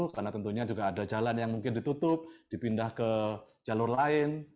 karena tentunya juga ada jalan yang mungkin ditutup dipindah ke jalur lain